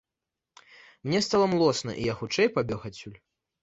Мне стала млосна і я хутчэй пабег адсюль.